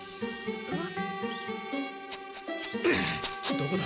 どこだ？